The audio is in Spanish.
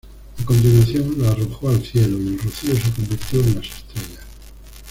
A continuación, la arrojó al cielo, y el rocío se convirtió en las estrellas.